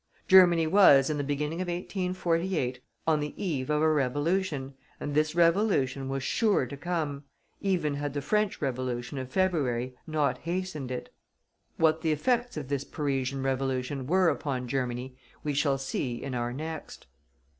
Germany was, in the beginning of 1848, on the eve of a revolution, and this revolution was sure to come, even had the French Revolution of February not hastened it. What the effects of this Parisian Revolution were upon Germany we shall see in our next.